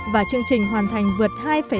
và chương trình hoàn thành vượt hai bốn